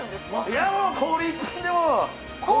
いやもう氷一本で。